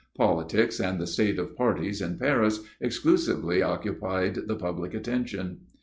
Politics, and the state of parties in Paris, exclusively occupied the public attention.